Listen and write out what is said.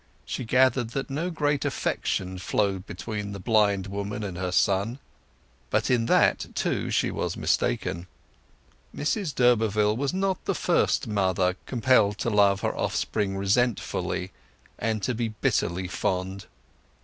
She gathered that no great affection flowed between the blind woman and her son. But in that, too, she was mistaken. Mrs d'Urberville was not the first mother compelled to love her offspring resentfully, and to be bitterly fond.